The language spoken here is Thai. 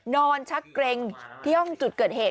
ชักเกร็งที่ห้องจุดเกิดเหตุ